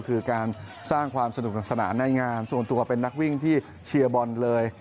คือการสร้างความสนุกสนานในงานส่วนตัวเป็นนักวิ่งที่เชียร์บอลเลย